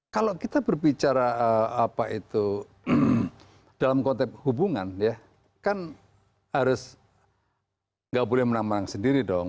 kalau kita berbicara apa itu dalam konteks hubungan ya kan harus nggak boleh menang menang sendiri dong